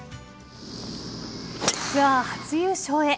ツアー初優勝へ。